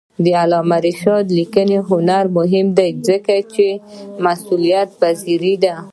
د علامه رشاد لیکنی هنر مهم دی ځکه چې مسئولیتپذیر دی.